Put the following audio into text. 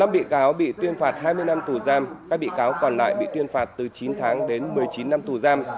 năm bị cáo bị tuyên phạt hai mươi năm tù giam các bị cáo còn lại bị tuyên phạt từ chín tháng đến một mươi chín năm tù giam